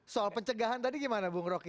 soal pencegahan tadi gimana bung roky